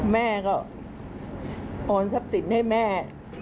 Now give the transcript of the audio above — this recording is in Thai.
แม่ก็โอนทรัพย์สินให้แม่